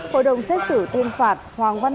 hội đồng xét xử tuyên phạt